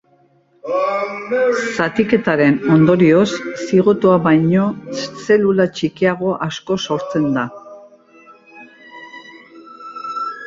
Zatiketaren ondorioz, zigotoa baino zelula txikiago asko sortzen da.